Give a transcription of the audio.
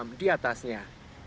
logam di atasnya